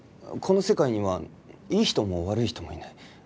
この世界にはいい人も悪い人もいない。